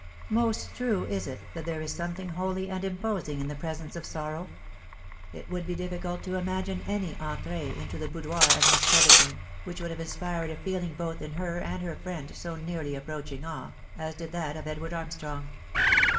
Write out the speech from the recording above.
Most true is it that there is something holy and imposing in the presence of sorrow. It would be difficult to imagine any entree into the boudoir of Miss Brotherton, which would have inspired a feeling both in her and her friend so nearly approaching awe, as did that of Edward Armstrong.